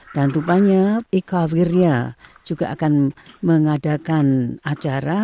dan rupanya ika wiria juga akan mengadakan acara